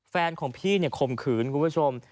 แฟนของพี่ข่มขืนคุณผู้ชม